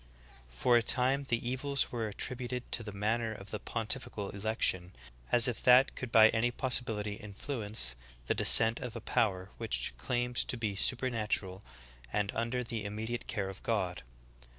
For a time the evils were at tributed to the manner of the pontifical election, as if that could by any possibility influence the descent of a power which claimed to be supernatural and under the immediate care of God.